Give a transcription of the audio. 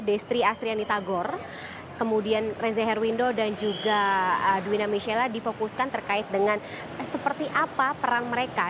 destri astriani tagor kemudian reza herwindo dan juga duwina michella difokuskan terkait dengan seperti apa peran mereka